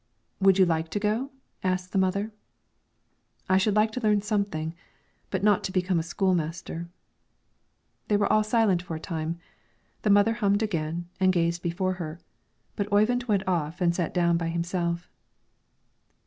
"Would you like to go?" asked the mother. "I should like to learn something, but not to become a school master." They were all silent for a time. The mother hummed again and gazed before her; but Oyvind went off and sat down by himself.